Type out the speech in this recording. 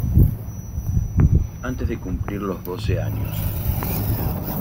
Antes de cumplir los doce años.